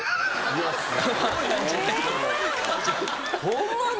ホンマに？